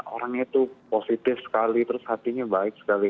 orangnya itu positif sekali terus hatinya baik sekali